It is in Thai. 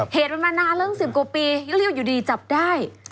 เหตุมานาน๑๐กว่าปีเรื่องอีกเรื่องอยู่ดีจับได้